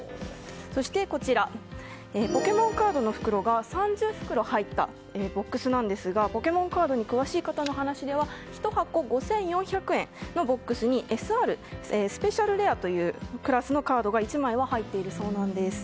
そして、ポケモンカードの袋が３０袋入ったボックスなんですがポケモンカードに詳しい方の話では１箱５４００円のボックスにＳＲ・スペシャルレアというクラスのカードが１枚入っているそうです。